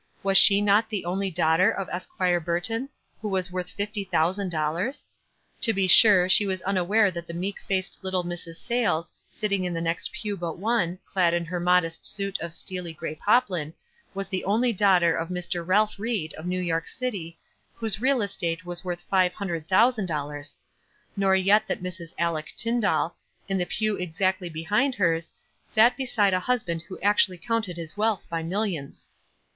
Was she not the only daughter of Enquire Burton, who was worth fifty thousand dollars? To be sure, she was unaware that tho meek faced little Mrs. Saylcs, sitting in tho next pew but one, clad in her modest suit of steely gray poplin, was the only daughter of Mr. Ealph Eied, of New York City, whose real estate was worth five hundred thousand dollars ; nor } r et that Mrs. Aleck Tyndall, in the pew exactly behind hers, sat beside a husband who actually counted his wealth by millions.